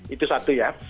itu satu ya